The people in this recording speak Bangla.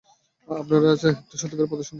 আপনারা আজ একটা সত্যিকারের প্রদর্শনী দেখতে যাচ্ছেন।